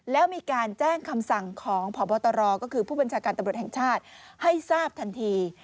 แล้วมีการแจ้งคำสั่งของพบตรก็คือผู้บัญชาการตำรวจแห่งชาติให้ทราบทันที